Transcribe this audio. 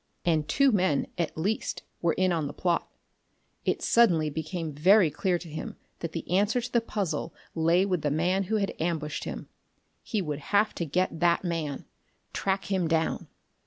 And two, men, at least, were in on the plot.... It suddenly became very clear to him that the answer to the puzzle lay with the man who had ambushed him. He would have to get that man. Track him down.